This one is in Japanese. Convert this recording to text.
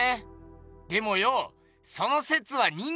でもよその説は人間の説だろ？